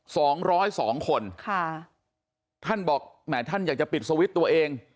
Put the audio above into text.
สองร้อยสองคนค่ะท่านบอกแหมท่านอยากจะปิดสวิตช์ตัวเอง